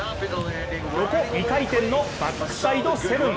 横２回転のバックサイド７００。